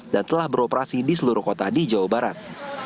dan telah beroperasi di seluruh kota di jawa barat